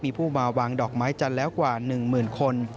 มีผู้มาวางดอกไม้จันทร์แล้วกว่า๑หมื่นคน